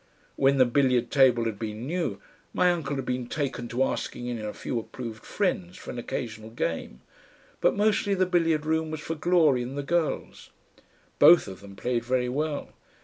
When the billiard table had been new, my uncle had taken to asking in a few approved friends for an occasional game, but mostly the billiard room was for glory and the girls. Both of them played very well.